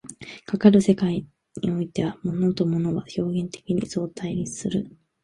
かかる世界においては、物と物は表現的に相対立する。